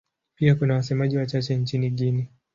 Pia kuna wasemaji wachache nchini Guinea.